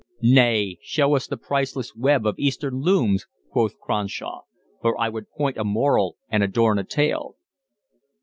"Nay, show us the priceless web of Eastern looms," quoth Cronshaw. "For I would point a moral and adorn a tale."